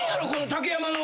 竹山の。